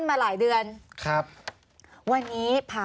มีความรู้สึกว่ามีความรู้สึกว่า